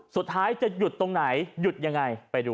สุดท้ายจะหยุดตรงไหนหยุดยังไงไปดู